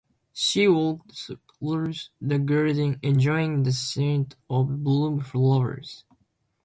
She walked through the garden, enjoying the scent of blooming flowers.